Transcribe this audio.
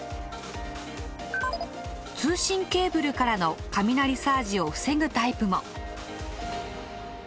通信ケーブルからの雷サージを防ぐタイプも。